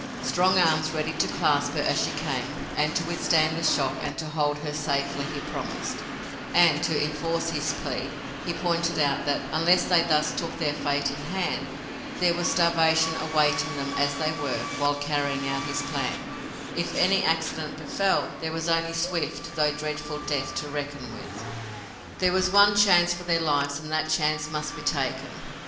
Strong arms ready to clasp her as she came and to withstand the shock and to hold her safely he promised and, to enforce his plea, he pointed out that, unless they thus took their fate in hand, there was starvation awaiting them as they were, while carrying out his plan, if any accident befell, there was only swift though dreadful death to reckon with. There was one chance for their lives and that chance must be taken.